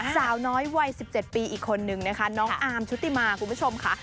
สาวน้อยวัย๑๗ปีอีกคนนึงนะคะน้องอาร์มชุติมาคุณผู้ชมค่ะ